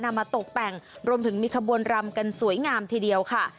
มาตกแต่งรวมถึงมีขบวนรำกันสวยงามทีเดียวค่ะ